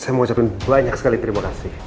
saya mau ucapin banyak sekali terima kasih